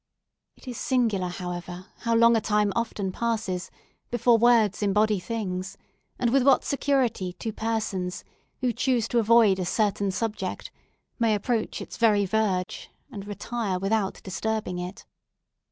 It is singular, however, how long a time often passes before words embody things; and with what security two persons, who choose to avoid a certain subject, may approach its very verge, and retire without disturbing it.